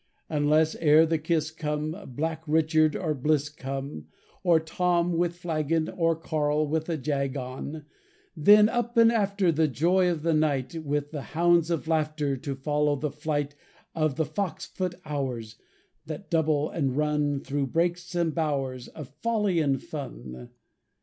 Unless ere the kiss come, Black Richard or Bliss come, Or Tom with a flagon, Or Karl with a jag on Then up and after The joy of the night With the hounds of laughter To follow the flight Of the fox foot hours That double and run Through brakes and bowers Of folly and fun.